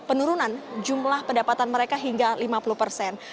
dan penurunan jumlah pendapatan mereka hingga lima puluh persen